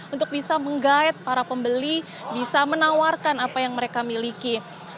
untuk bisa menggait para pembeli bisa menawarkan apa yang mereka miliki